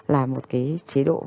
là một cái chế độ vận động